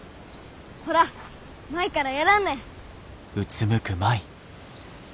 ほら舞からやらんね。